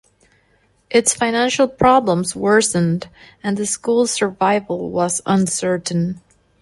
Its financial problems worsened, and the school's survival was uncertain.